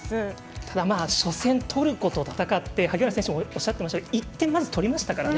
ただ、初戦トルコと戦って萩原選手もおっしゃっていましたが１点、まず取りましたからね。